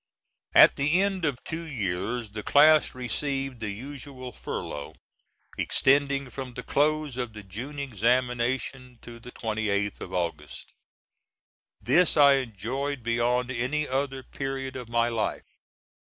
At the end of two years the class received the usual furlough, extending from the close of the June examination to the 28th of August. This I enjoyed beyond any other period of my life.